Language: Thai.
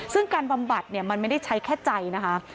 ซึ่งการบำบัดมันไม่ได้ใช้แค่ใจนะคะ